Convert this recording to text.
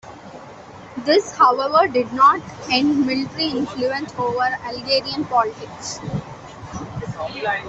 This, however, did not end military influence over Algerian politics.